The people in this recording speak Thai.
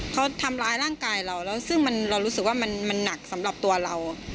เขาทำร้ายร่างกายเราแล้วซึ่งเรารู้สึกว่ามันหนักสำหรับตัวเรา